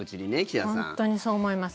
本当にそう思います。